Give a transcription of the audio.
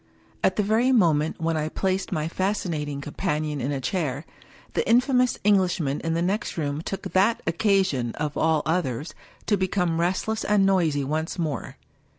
At the very moment when I placed my fascinating com panion in a chair, the infamous Englishman in the next room took that occasion, of all others, to become restless and noisy once more.